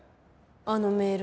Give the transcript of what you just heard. あのメール。